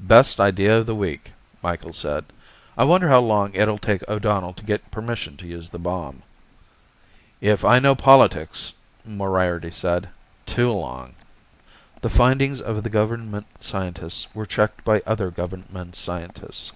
"Best idea of the week," Micheals said. "I wonder how long it'll take O'Donnell to get permission to use the bomb." "If I know politics," Moriarty said, "too long." The findings of the government scientists were checked by other government scientists.